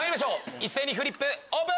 一斉にフリップオープン！